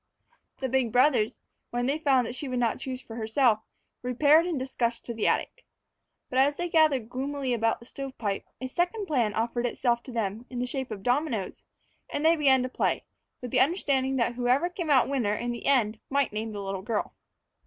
The big brothers, when they found that she would not choose for herself, repaired in disgust to the attic. But as they gathered gloomily about the stovepipe, a second plan offered itself to them in the shape of the dominoes, and they began to play, with the understanding that whoever came out winner in the end might name the little girl.